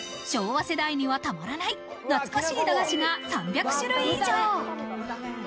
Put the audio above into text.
昭和世代にはたまらない、懐かしい駄菓子が３００種類以上。